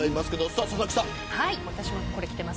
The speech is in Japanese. さあ、佐々木さん。